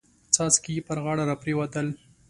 څاڅکي يې پر غاړه را پريوتل.